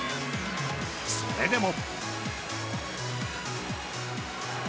それでも。